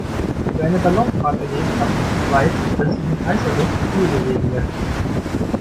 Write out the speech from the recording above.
Wer eine Ballonfahrt erlebt hat, weiß, dass sich mit heißer Luft viel bewegen lässt.